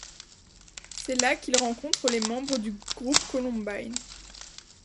C'est là qu'il rencontre les membres du groupe Columbine.